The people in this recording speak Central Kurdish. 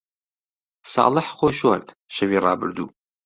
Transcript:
ساڵح خۆی شۆرد، شەوی ڕابردوو.